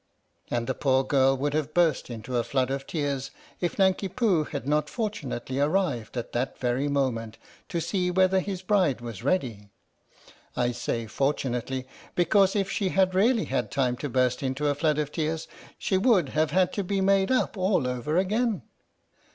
" And the poor girl would have burst into a flood of tears if Nanki Poo had not fortunately arrived at that very moment to see whether his bride was ready. I say " fortunately " because if she had really had time to burst into a flood of tears, she would have had to be made up all over again.